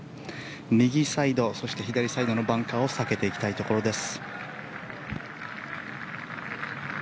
右サイド、そして左サイドのバンカーを避けていきたいところです。